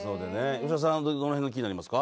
吉田さん、どの辺が気になりますか。